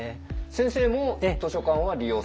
先生も図書館は利用されてるんですか？